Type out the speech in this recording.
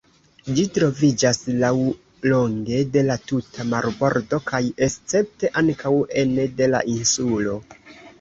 Ĝi troviĝas laŭlonge de la tuta marbordo kaj escepte ankaŭ ene de la insulo.